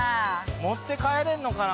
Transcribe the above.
持って帰れんのかな？